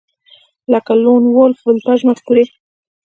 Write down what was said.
لکه لون وولف ولټاژ مفکورې